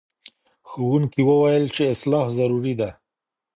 ښوونکي وویل چې اصلاح ضروري ده.